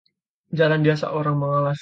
Jalan diasak orang menggalas